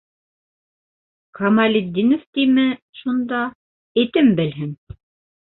Камалетдинов тиме шунда, этем белһен!